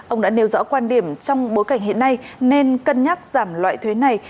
ông đã nêu rõ quan điểm trong bối cảnh hiện nay nên cân nhắc giảm loại thuế này